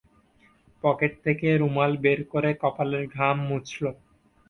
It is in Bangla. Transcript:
পকেট থেকে রুমাল বের করে কপালের ঘাম মুছল।